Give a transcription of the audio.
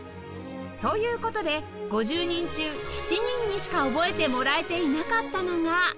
という事で５０人中７人にしか覚えてもらえていなかったのが